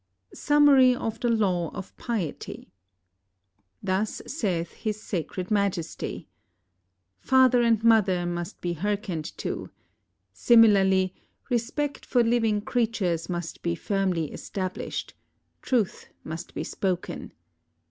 SUMMARY OF THE LAW OF PIETY Thus saith His Sacred Majesty: — Father and mother must be hearkened to; similarly, respect for li\ing creatures must be firmly estabUshed; truth must be spoken.